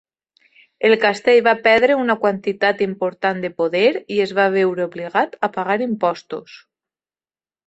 El castell va perdre una quantitat important de poder i es va veure obligat a pagar impostos.